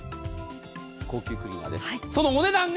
高級クリーナーです。